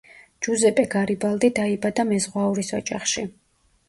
ჯუზეპე გარიბალდი დაიბადა მეზღვაურის ოჯახში.